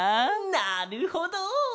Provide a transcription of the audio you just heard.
なるほど！